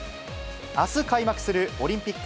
あす開幕するオリンピック